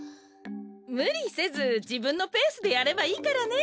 むりせずじぶんのペースでやればいいからね。